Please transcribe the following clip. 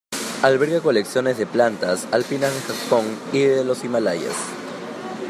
Alberga colecciones de plantas alpinas de Japón y de los Himalayas.